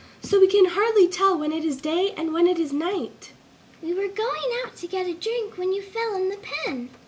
So we can hardly tell when it is day and when it is night." "We were going out to get a drink when you fell in the pen!"